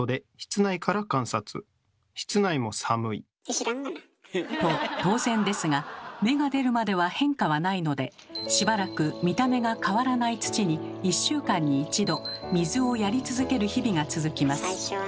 知らんがな。と当然ですが芽が出るまでは変化はないのでしばらく見た目が変わらない土に１週間に１度水をやり続ける日々が続きます。